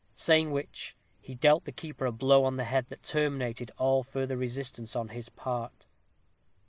Saying which, he dealt the keeper a blow on the head that terminated all further resistance on his part.